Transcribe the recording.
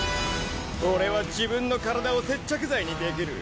俺は自分の体を接着剤にできる。